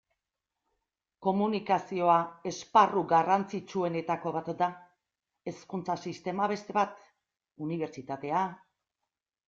Komunikazioa esparru garrantzitsuetako bat da, hezkuntza sistema beste bat, unibertsitatea...